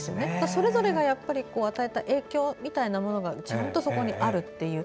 それぞれが与えた影響みたいなものがちゃんとそこにあるという。